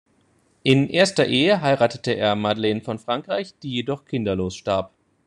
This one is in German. In erster Ehe heiratete er Madeleine von Frankreich, die jedoch kinderlos starb.